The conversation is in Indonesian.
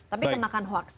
tapi kemakan hoax